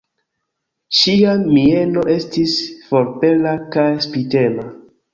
Ŝia mieno estis forpela kaj spitema.